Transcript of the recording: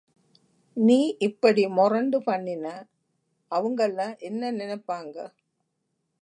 நீ இப்படி மொரண்டு பண்ணின அவுங்கள்ளாம் என்ன நெனப்பாங்க?